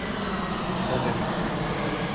no bebí